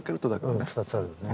うん２つあるね。